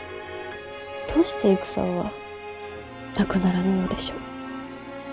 どうして戦はなくならぬのでしょう。